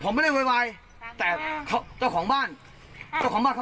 ผมไม่ได้โวยวายแต่เขาเจ้าของบ้านเจ้าของบ้านเขา